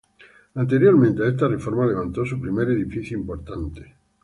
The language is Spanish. Anteriormente a esta reforma, levantó su primer edificio importante.